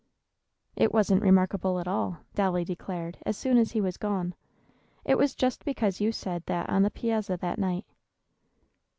"It wasn't remarkable at all," Dolly declared, as soon as he was gone. "It was just because you said that on the piazza that night."